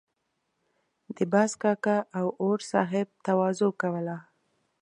د باز کاکا او اور صاحب تواضع کوله.